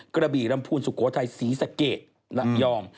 กระบี่ลำพูนสุโขทัยศรีสะเกดระยอง